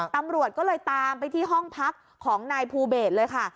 ตำรวจก็เลยตามไปที่ห้องพักของนายภูเบสเลยค่ะ